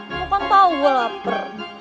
kok kan tau gue lapar